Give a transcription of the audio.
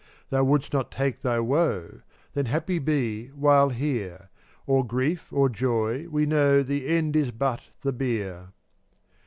Thou wouldst not take thy woe. Then happy be while here; Or grief, or joy, we know The end is but the bier.